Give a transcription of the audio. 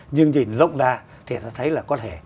nhưng nhìn rộng ra thì ta thấy là có thể